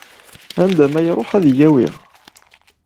Anda ma iruḥ ad yi-yawi.